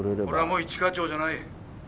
俺はもう一課長じゃない！